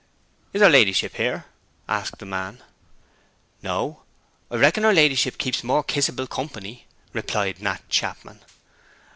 'Is her ladyship here?' asked the man. 'No. I reckon her ladyship keeps more kissable company,' replied Nat Chapman.